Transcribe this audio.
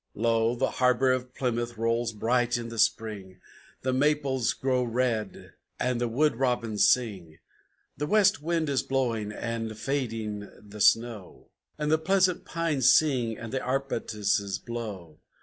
"Lo, the harbor of Plymouth rolls bright in the Spring, The maples grow red, and the wood robins sing, The west wind is blowing, and fading the snow, And the pleasant pines sing, and the arbutuses blow.